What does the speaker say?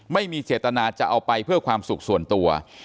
ไม่มีเจตนาจะเอาไปเพื่อความสุขส่วนตัว